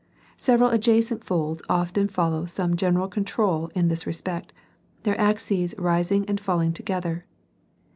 Several adjacent folds often follow some general control in this respect, their axes rising and falling together.